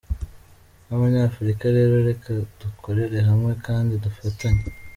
Nk’ Abanyafurika rero reka dukorere hamwe kandi dufatanye.